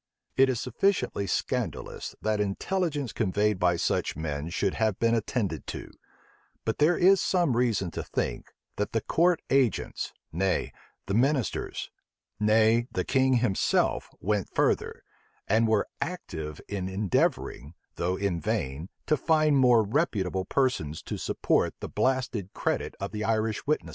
It is sufficiently scandalous, that intelligence conveyed by such men should have been attended to; but there is some reason to think, that the court agents, nay, the ministers, nay, the king himself,[*] went further, and were active in endeavoring, though in vain, to find more reputable persons to support the blasted credit of the Irish witnesses.